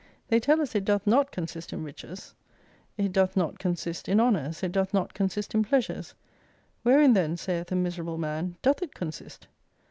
They tell us it doth not consist in riches, it doth not consist in honors, it doth not consist in pleasures. Wherein then, saith a miserable man, doth it consist